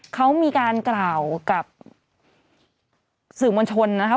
เขามีการกล่าวกับสื่อมวลชนนะคะ